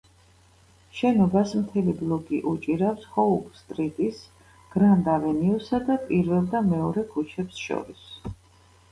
შენობას მთელი ბლოკი უჭირავს ჰოუპ სტრიტის, გრანდ ავენიუსა და პირველ და მეორე ქუჩებს შორის.